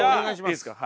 いいですか？